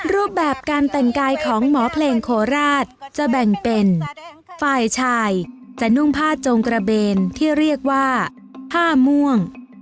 รูปแบบการแต่งกายของหมอเพลงโคราชจะแบ่งเป็นฝ่ายชายจะนุ่งผ้าจงกระเบนที่เรียกว่าผ้าม่วง